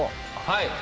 はい。